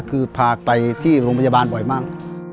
คือพาไปที่โรงพยาบาลบ่อยมาก